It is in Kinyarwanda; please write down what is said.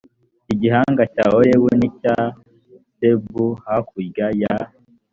igihanga cya orebu n icya z bu hakurya ya